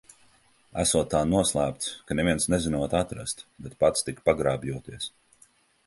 Esot tā noslēpts, ka neviens nezinot atrast, bet pats tik pagrābjoties.